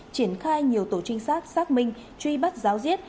triển khai nhiều tổ trinh sát xác minh truy bắt giáo diết